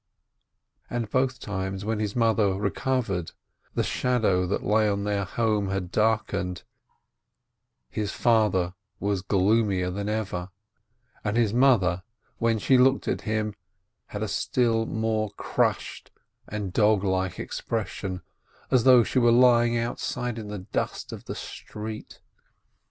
And both times, when his mother recovered, the shadow that lay on their home had darkened, his father 486 SCHAPIEO was gloomier than ever, and his mother, when she looked at him, had a still more crushed and dog like expression, as though she were lying outside in the dust of the street.